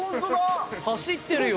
走ってるよ。